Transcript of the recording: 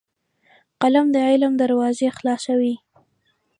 قلم د علم دروازې خلاصوي